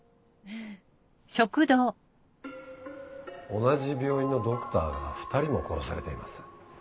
同じ病院のドクターが２人も殺されています。